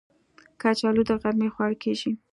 کچالو د غرمې خواړه کېږي